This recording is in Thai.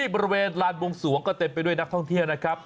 บริเวณลานบวงสวงก็เต็มไปด้วยนักท่องเที่ยวนะครับ